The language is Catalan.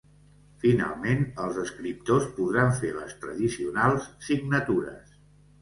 Finalment, els escriptors podran fer les tradicionals signatures.